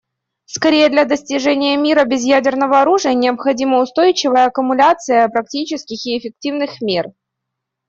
Скорее, для достижения мира без ядерного оружия необходима устойчивая аккумуляция практических и эффективных мер.